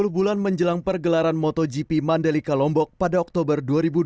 sepuluh bulan menjelang pergelaran motogp mandalika lombok pada oktober dua ribu dua puluh